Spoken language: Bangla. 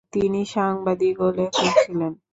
তিনি সাংবাদিক ও লেখক ছিলেন।